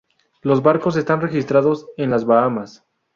Los barcos están registrados en las Bahamas.